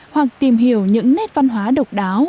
hoặc tìm hiểu những nét văn hóa độc đáo